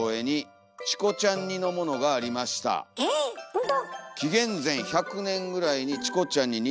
え⁉ほんと？